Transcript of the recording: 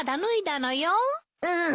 うん！